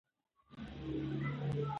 انا خپل لاسونه په پاکو اوبو سره ومینځل.